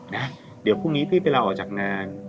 นะเดี๋ยวพรุ่งนี้พี่ไปลาออกจากงาน